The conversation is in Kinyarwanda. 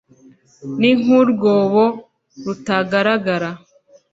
ni nk urwobo rutagaragara